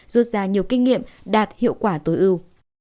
rút ra nhiều kinh nghiệm đạt hiệu quả tối ưu